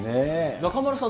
中丸さん